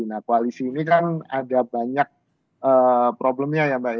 nah koalisi ini kan ada banyak problemnya ya mbak